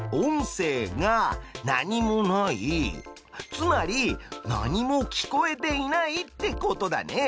つまり何も聞こえていないってことだね！